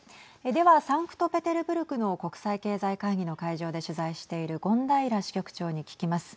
では、サンクトペテルブルクの国際経済会議の会場で取材している権平支局長に聞きます。